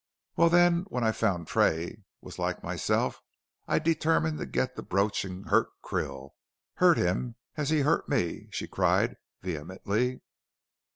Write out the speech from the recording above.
"Well, then, when I found Tray was like myself I determined to get the brooch and hurt Krill hurt him as he hurt me," she cried vehemently.